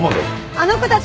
あの子たち